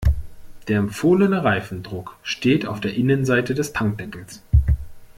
Der empfohlene Reifendruck steht auf der Innenseite des Tankdeckels.